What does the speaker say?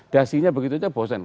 dasinya begitu saja bosan